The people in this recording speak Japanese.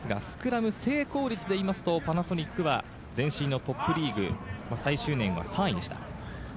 スクラム成功率でいいますと、パナソニックは前身のトップリーグの最終年は３位でした。